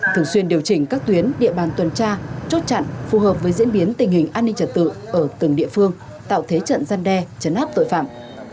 thường xuyên điều chỉnh các tuyến địa bàn tuần tra chốt chặn phù hợp với diễn biến tình hình an ninh trật tự ở từng địa phương tạo thế trận gian đe chấn áp tội phạm